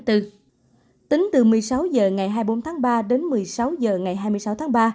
tính từ một mươi sáu h ngày hai mươi bốn tháng ba đến một mươi sáu h ngày hai mươi sáu tháng ba